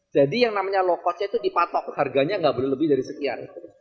jadi yang namanya low cost itu dipatok harganya nggak boleh lebih dari sekian